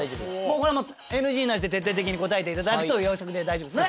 これはもうＮＧなしで徹底的に答えていただくという大丈夫ですね